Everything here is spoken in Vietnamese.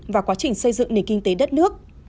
và quá trình xây dựng nền kinh tế đất nước